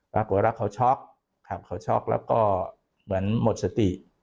ปรากฏว่าเขาช็อกครับเขาช็อกแล้วก็เหมือนหมดสติ